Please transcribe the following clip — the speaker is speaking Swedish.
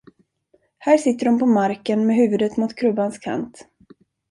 Här sitter hon på marken med huvudet mot krubbans kant.